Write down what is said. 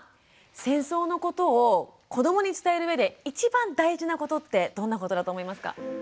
戦争のことを子どもに伝える上で一番大事なことってどんなことだと思いますか？